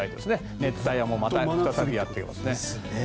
熱帯夜もまた再びやってきますね。